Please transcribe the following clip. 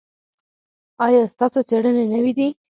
ایا ستاسو څیړنې نوې دي؟